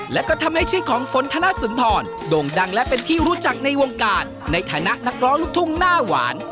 และก็ทำให้ชื่อของฝนธนสุนทรโด่งดังและเป็นที่รู้จักในวงการในฐานะนักร้องลูกทุ่งหน้าหวาน